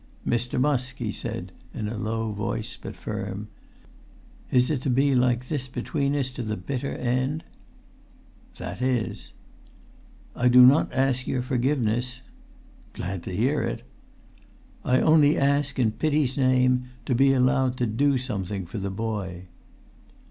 "Mr. Musk," he said, in a low voice but firm, "is it to be like this between us to the bitter end?" "That is." "I do not ask your forgiveness——" "Glad to hear it." [Pg 285]"I only ask—in pity's name—to be allowed to do something for the boy!"